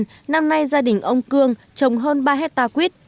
tuy nhiên năm nay gia đình ông cương trồng hơn ba hectare quýt